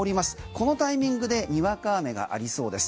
このタイミングでにわか雨がありそうです。